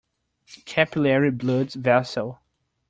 Capillary blood vessel.